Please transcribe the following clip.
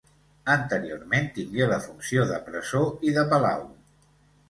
Anteriorment tingué la funció de presó i de palau.